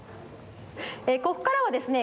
ここからはですね